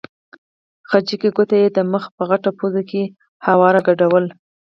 خچۍ ګوته یې د مخ په غټه پوزه کې هواره ګډوله.